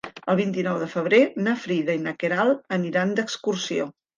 El vint-i-nou de febrer na Frida i na Queralt aniran d'excursió.